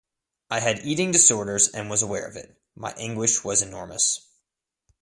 I had eating disorders and was aware of it, my anguish was enormous.